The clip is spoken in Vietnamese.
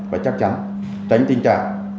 và chắc chắn tránh tình trạng